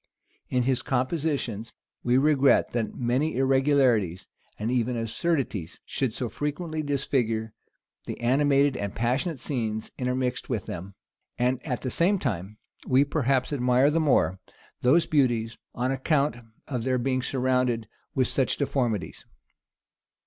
In his compositions, we regret that many irregularities, and even absurdities, should so frequently disfigure the animated and passionate scenes intermixed with them; and at the same time, we perhaps admire the more those beauties, on account of their being surrounded with such deformities.